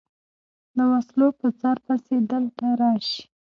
د وسلو په څار پسې دلته راشي.